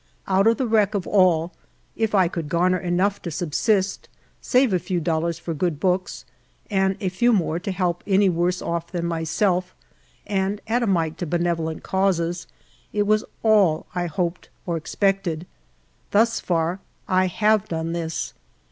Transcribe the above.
Out of the wreck of all, if I could garner enough to subsist, save a few dollars for good books, and a few more to help any worse oft* than my self, and add a mite to benevolent causes, it was all I hoped or expected. Thus far I have done this.